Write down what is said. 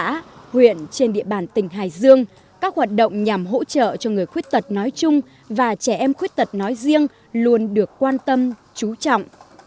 các huyện trên địa bàn tỉnh hải dương các hoạt động nhằm hỗ trợ cho người khuyết tật nói chung và trẻ em khuyết tật nói riêng luôn được quan tâm chú trọng